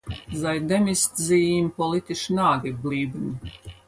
Seitdem ist sie ihm politisch nah geblieben.